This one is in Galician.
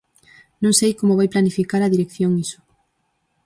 Non sei como vai planificar a dirección iso.